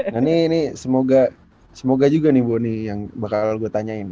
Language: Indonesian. nah ini ini semoga semoga juga nih bu nih yang bakal gua tanyain